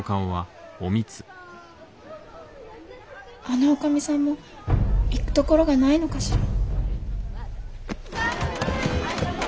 あの女将さんも行く所がないのかしら。